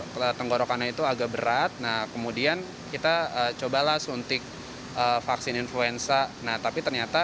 ke tenggorokannya itu agak berat nah kemudian kita cobalah suntik vaksin influenza nah tapi ternyata